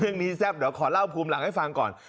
แซ่บเดี๋ยวขอเล่าภูมิหลังให้ฟังก่อน